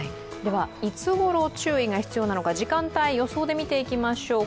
いつごろ注意が必要なのか時間帯、予想で見ていきましょう。